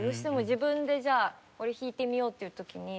自分でじゃあこれ弾いてみようっていう時に。